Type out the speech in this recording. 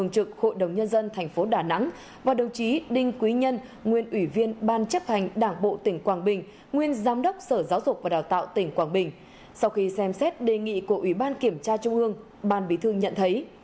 trước đó kiểm tra trung ương ban bí thư nhận thấy